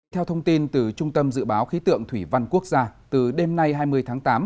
theo thông tin từ trung tâm dự báo khí tượng thủy văn quốc gia từ đêm nay hai mươi tháng tám